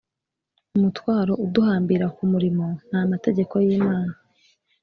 umutwaro uduhambira ku murimo ni amategeko y’imana